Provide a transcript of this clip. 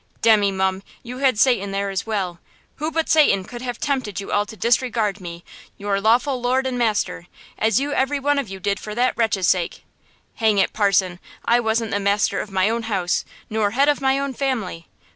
"Demmy, mum, you had Satan there as well! Who but Satan could have tempted you all to disregard me, your lawful lord and master, as you every one of you did for that wretch's sake! Hang it, parson, I wasn't the master of my own house, nor head of my own family!